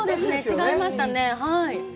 違いましたね。